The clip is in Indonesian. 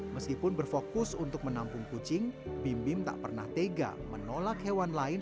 meskipun berfokus untuk menampung kucing bim bim tak pernah tega menolak hewan lain